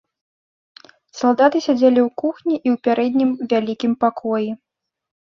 Салдаты сядзелі ў кухні і ў пярэднім вялікім пакоі.